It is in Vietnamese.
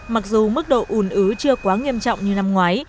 mặc dù mức độ ùn ứ chưa quá nghiêm trọng như năm ngoái